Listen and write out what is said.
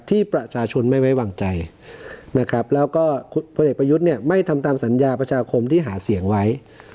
ที่ประชาชนไม่ไว้วางใจนะครับแล้วก็พลเอกประยุทธ์เนี่ยไม่ทำตามสัญญาประชาคมที่หาเสียงไว้